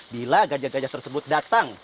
bila gajah gajah tersebut datang